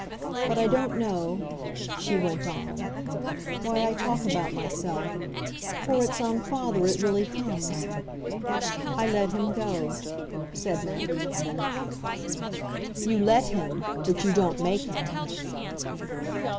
But I don't know," she went on, "why I talk about myself, for it's on father it really comes. I let him go," said Maggie. "You let him, but you don't make him."